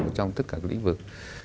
mà trong tất cả các lĩnh vực